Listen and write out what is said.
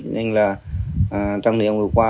nên là trong niệm vừa qua